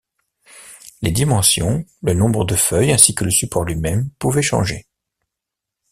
Les dimensions, le nombre de feuilles ainsi que le support lui-même pouvaient changer.